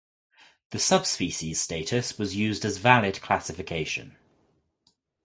The subspecies status was used as valid classification.